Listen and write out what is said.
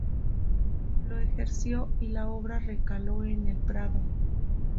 Lo ejerció y la obra recaló en el Prado.